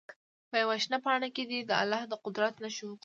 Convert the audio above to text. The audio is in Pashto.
په یوه شنه پاڼه کې دې د الله د قدرت نښې وګوري.